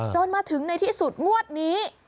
จนมาถึงในที่สุดงวดนี้